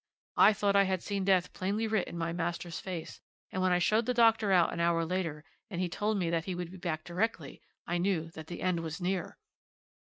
I thought I had seen death plainly writ in my master's face, and when I showed the doctor out an hour later, and he told me that he would be back directly, I knew that the end was near.